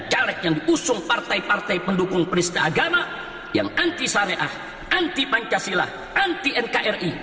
caleg yang diusung partai partai pendukung peristiwa agama yang anti syariah anti pancasila anti nkri